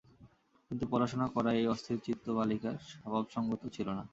কিন্তু পড়াশুনা করা এই অস্থিরচিত্ত বালিকার স্বভাবসংগত ছিল না।